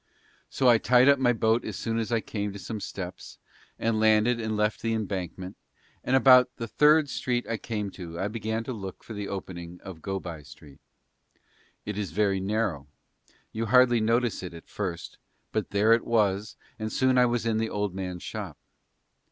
So I tied up my boat as soon as I came to some steps, and landed and left the Embankment, and about the third street I came to I began to look for the opening of Go by Street; it is very narrow, you hardly notice it at first, but there it was, and soon I was in the old man's shop.